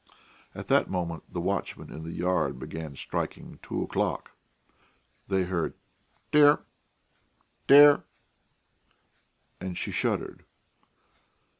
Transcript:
At that moment the watchman in the yard began striking two o'clock. They heard: "Dair ... dair ..." and she shuddered.